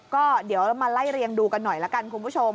ก็เดี๋ยวเรามาไล่เรียงดูกันหน่อยละกันคุณผู้ชม